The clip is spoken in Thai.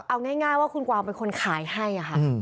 เอาง่ายว่าคุณกวางเป็นคนขายให้ค่ะ